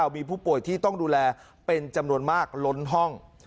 มีผู้ป่วยที่ต้องดูแลเป็นจำนวนมากล้นห้อง